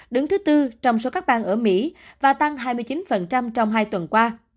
đứng thứ tư trong số các bang ở mỹ và tăng hai mươi chín trong hai tuần qua